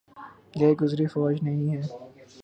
گئی گزری فوج نہیں ہے۔